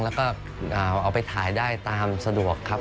แล้วก็เอาไปถ่ายได้ตามสะดวกครับ